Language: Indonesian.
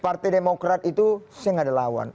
partai demokrat itu saya gak ada lawan